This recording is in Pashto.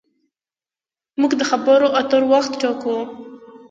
موږ د خبرو اترو وخت ټاکو.